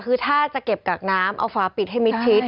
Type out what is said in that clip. คือถ้าจะเก็บกักน้ำเอาฝาปิดให้มิดชิด